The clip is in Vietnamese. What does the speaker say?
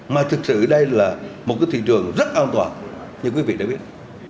mà thực sự đây là một cái thị trường rất an toàn như quý vị đã biết